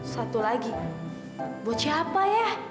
satu lagi buat siapa ya